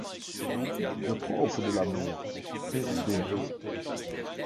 Le propre de l’amour, c’est d’errer.